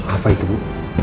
apa itu bu